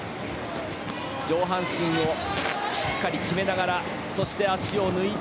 上半身をしっかり決めながらそして足を抜いて。